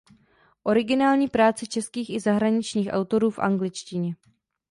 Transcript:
Originální práce českých i zahraničních autorů v angličtině.